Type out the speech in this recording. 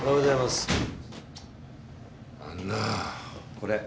これ。